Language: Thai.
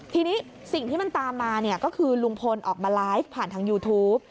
ทีนี้สิ่งที่มันตามมาก็คือลุงพลออกมาไลฟ์ผ่านทางยูทูป